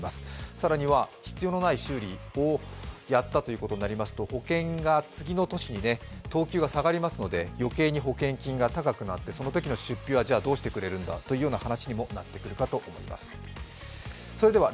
更には必要のない修理をやったということになりますと保険が次の年に等級が下がりますので余計に保険金が高くなってそのときの出費はどうしてくれるんだという話にもなってくるかと思います。